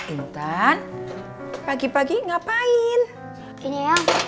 entah pagi pagi ngapain ini aku tadi kesiangan jadi aku harus buru buru